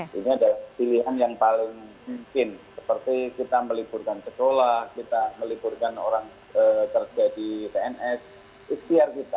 ini adalah pilihan yang paling mungkin seperti kita meliburkan sekolah kita meliburkan orang kerja di pns ikhtiar kita